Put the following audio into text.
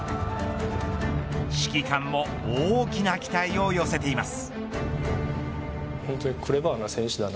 指揮官も大きな期待を寄せています。